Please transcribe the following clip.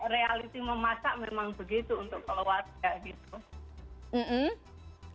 realisim memasak memang begitu untuk kalau